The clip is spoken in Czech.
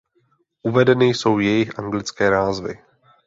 Uvedeny jsou jejich anglické názvy.